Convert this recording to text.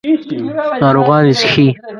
ناروغان یې څښي.